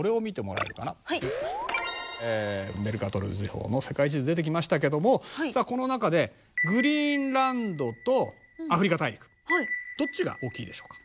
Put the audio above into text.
メルカトル図法の世界地図出てきましたけどもさあこの中でグリーンランドとアフリカ大陸どっちが大きいでしょうか？